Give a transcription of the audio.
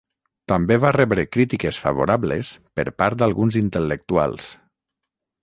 També va rebre crítiques favorables per part d'alguns intel·lectuals.